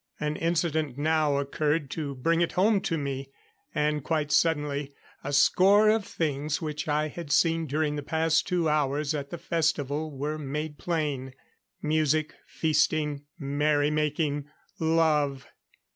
An incident now occurred to bring it home to me; and, quite suddenly, a score of things which I had seen during the past two hours at the festival were made plain. Music, feasting, merry making, love!